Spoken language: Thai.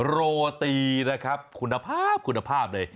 โรตีนะครับคุณภาพคุณภาพเลย